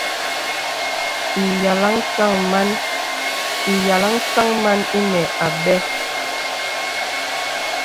Ìyàlaŋ sàŋ màn ìnə àbə̀.